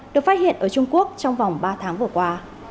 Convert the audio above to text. được phát hiện ở trung quốc trong vòng ba tháng vừa qua